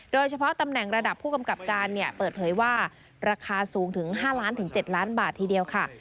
ตำแหน่งระดับผู้กำกับการเปิดเผยว่าราคาสูงถึง๕ล้านถึง๗ล้านบาททีเดียวค่ะ